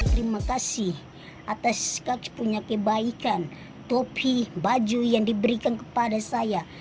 terima kasih atas kak punya kebaikan topi baju yang diberikan kepada saya